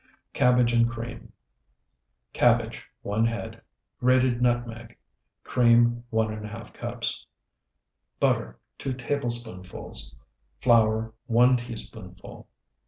CABBAGE AND CREAM Cabbage, 1 head. Grated nutmeg. Cream, 1½ cups. Butter, 2 tablespoonfuls. Flour, 1 teaspoonful.